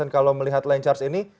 kalau melihat land charge ini